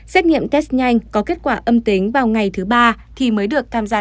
xét nghiệm test nhanh có kết quả âm tính vào ngày thứ ba thì mới được tham gia